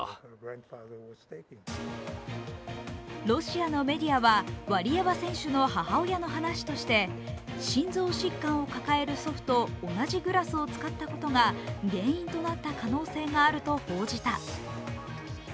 ロシアのメディアはワリエワ選手の母親の話として、心臓疾患を抱える祖父と同じグラスを使ったことが原因となった可能性があると報じた。